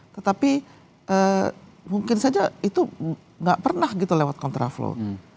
tetapi mungkin saja itu nggak pernah gitu lewat kontraflow